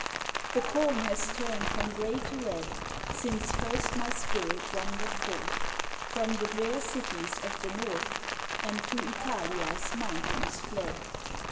THE corn has turned from grey to red, Since first my spirit wandered forth From the drear cities of the north, And to Italia's mountains fled.